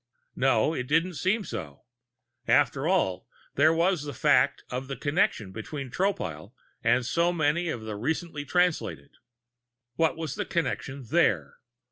No, it didn't seem so; after all, there was the fact of the connection between Tropile and so many of the recently Translated. What was the connection there?